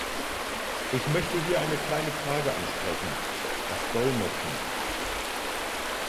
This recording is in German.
Ich möchte hier eine kleine Frage ansprechen, das Dolmetschen.